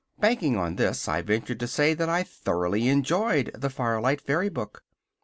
Banking on this, I venture to say that I thoroughly enjoyed the "Firelight Fairy Book."